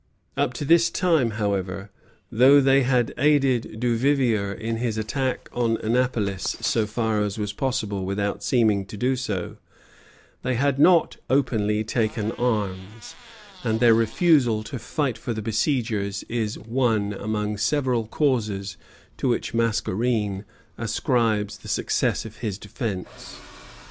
_] Up to this time, however, though they had aided Duvivier in his attack on Annapolis so far as was possible without seeming to do so, they had not openly taken arms, and their refusal to fight for the besiegers is one among several causes to which Mascarene ascribes the success of his defence.